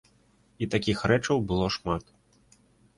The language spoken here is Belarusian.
І такіх рэчаў было шмат.